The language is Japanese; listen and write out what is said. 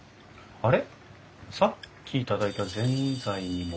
あれ？